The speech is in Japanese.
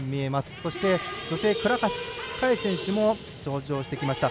そして女性、倉橋香衣選手も登場してきました。